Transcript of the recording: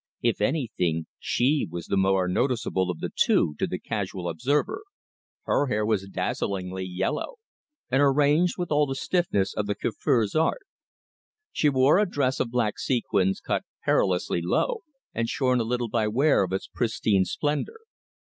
If anything, she was the more noticeable of the two to the casual observer. Her hair was dazzlingly yellow, and arranged with all the stiffness of the coiffeur's art. She wore a dress of black sequins, cut perilously low, and shorn a little by wear of its pristine splendour.